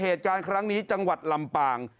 เหตุการณ์ครั้งนี้จังหวัดลำปาง